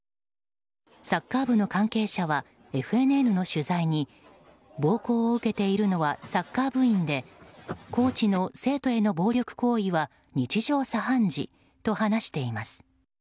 サッカー部の関係者はＦＮＮの取材に暴行を受けているのはサッカー部員でコーチの生徒への暴力行為は日常茶飯事と話しています。